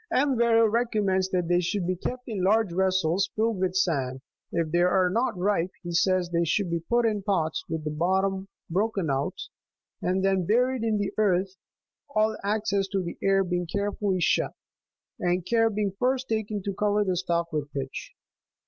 M. Varro 28 recommends that they should be kept in large vessels filled with sand : if they are not ripe, he says that they should be put in pots with the bottom broken out, and then buried29 in the earth, all access to the air being care fully shut, and care being first taken to cover the stalk with pitch.